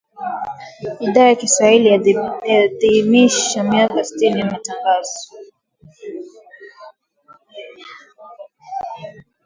Idhaa ya Kiswahili yaadhimisha miaka sitini ya Matangazo.